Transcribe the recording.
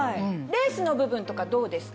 レースの部分とかどうですか？